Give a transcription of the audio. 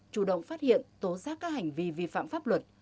chủ động phát hiện tố giác các hành vi vi phạm pháp luật